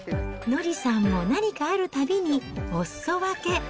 乃りさんも何かあるたびに、おすそ分け。